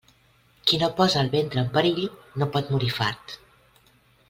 Qui no posa el ventre en perill, no pot morir fart.